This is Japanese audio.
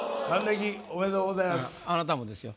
あなたもですよ。